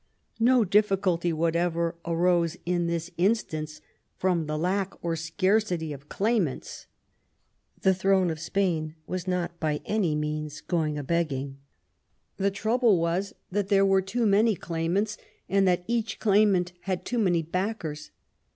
No difficulty whatever arose in this instance froni the lack or scarcity of claimants — ^the throne of Spain was not by any means going a begging ; the trouble was that there were too many claimants, and that each claimant had too many backers.